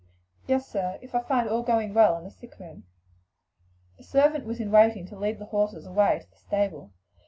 "Yes, sir; if I find all going well in the sick room." A servant was in waiting to lead the horses away to the stable.